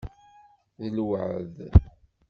D lweεd.